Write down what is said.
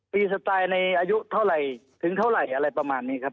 สไตล์ในอายุเท่าไหร่ถึงเท่าไหร่อะไรประมาณนี้ครับ